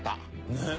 ねっ。